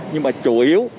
nhưng mà chủ yếu